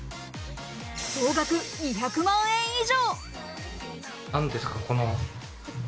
総額２００万円以上！